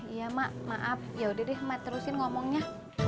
iya mak maaf yaudah deh mak terusin ngomongnya